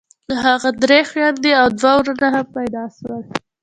د هغه درې خويندې او دوه ورونه هم پيدا سول.